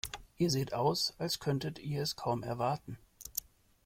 Ihr seht aus, als könntet ihr es kaum erwarten.